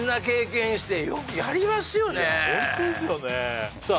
ホントですよねさあ